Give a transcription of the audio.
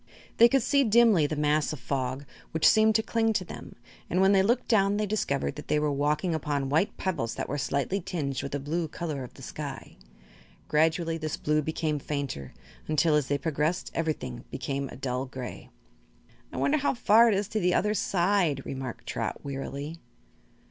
They could see dimly the mass of fog, which seemed to cling to them, and when they looked down they discovered that they were walking upon white pebbles that were slightly tinged with the blue color of the sky. Gradually this blue became fainter, until, as they progressed, everything became a dull gray. "I wonder how far it is to the other side," remarked Trot, wearily.